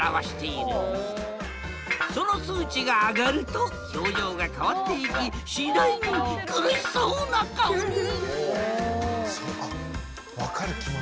その数値が上がると表情が変わっていきしだいに苦しそうな顔に！